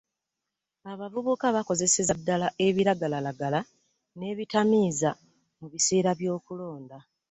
Abavubuka bakozeseza ddala ebiragalalagala n'ebitamiiza mu biseera by'okulonda.